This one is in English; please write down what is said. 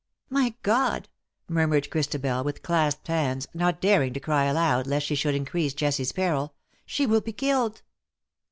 " My God V' murmured Christabel, with clasped hands, not daring to cry aloud lest she should in crease Jessie's peril. " She will be killed.